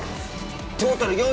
トータル４５０。